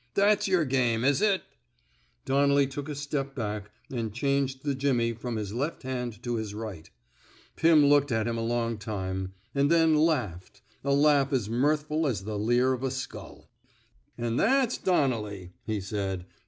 ^'That's yer game, is it? " Donnelly took a step back, and changed the 91 n THE SMOKE EATERS jimmy from his left hand to his right. Pim looked at him a long time, and then laughed — a laugh as mirthful as the leer of a skull. '' An * that 's Donnelly, '' he said.